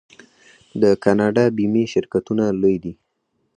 د کاناډا بیمې شرکتونه لوی دي.